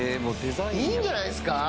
いいんじゃないですか。